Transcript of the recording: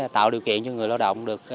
tạo điều kiện cho người lao động được